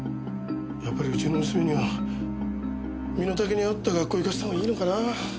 やっぱりうちの娘には身の丈に合った学校行かせた方がいいのかなぁ。